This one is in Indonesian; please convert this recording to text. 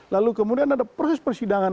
lalu kemudian ada proses persidangan